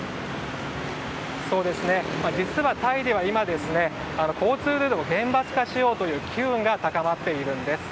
実は、タイでは今交通ルールを厳罰化しようという機運が高まっているんです。